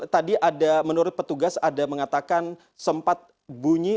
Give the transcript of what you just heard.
tadi ada menurut petugas ada mengatakan sempat bunyi